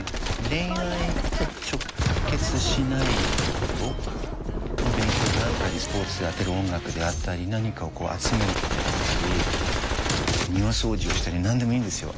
恋愛と直結しないこと勉強であったりスポーツであったり音楽であったり何かを集めることだったり庭掃除をしたり何でもいいんですよ。